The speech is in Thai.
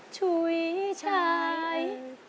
ฉุยชาย